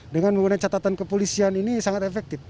dengan menggunakan catatan ke polisian ini sangat efektif